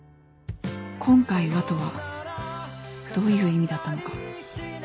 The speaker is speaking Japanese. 「今回は」とはどういう意味だったのか